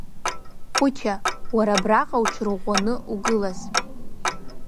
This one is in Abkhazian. Хәыча, уара абраҟа уҽырӷәӷәаны угылаз.